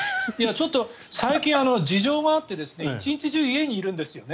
最近事情があって１日中、家にいるんですよね。